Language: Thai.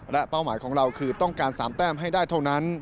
และเป้าหมายของเราคือต้องการ๓แต้มให้ได้เท่านั้น